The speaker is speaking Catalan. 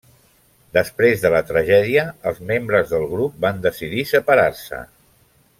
Després de la tragèdia, els membres del grup van decidir separar-se.